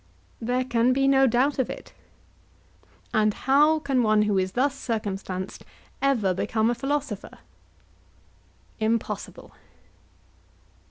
There can be no doubt of it. And how can one who is thus circumstanced ever become a philosopher? Impossible.